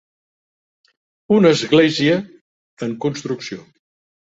Una església en construcció